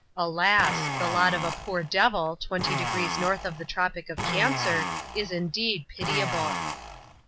Alas! the lot of a "poor devil," twenty degrees north of the tropic of Cancer, is indeed pitiable.